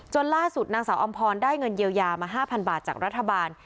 ล่าสุดนางสาวอำพรได้เงินเยียวยามา๕๐๐บาทจากรัฐบาล